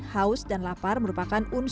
haus dan lapar merupakan unsur